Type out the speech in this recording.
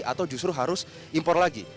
atau justru harus impor lagi